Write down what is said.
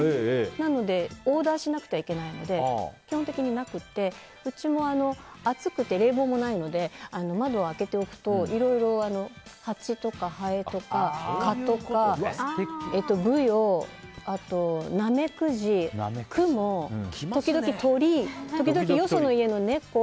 なのでオーダーしなくてはいけないので基本的になくてうちも暑くて冷房もないので窓を開けておくといろいろ、ハチとかハエとか蚊とかブヨ、ナメクジクモ、時々鳥時々よその家の猫